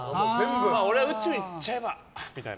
俺は宇宙行っちゃえばみたいな。